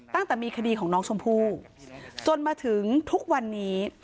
ตั้งแต่มีคดีของน้องชมพู่จนมาถึงทุกวันนี้